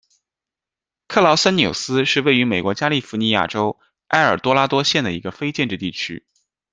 克劳森纽斯是位于美国加利福尼亚州埃尔多拉多县的一个非建制地区。